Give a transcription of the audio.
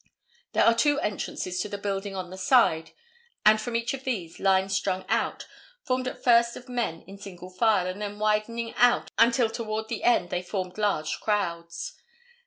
There are two entrances to the building on the side, and from each of these, lines strung out, formed at first of men in single file, and then widening out until toward the end they formed large crowds.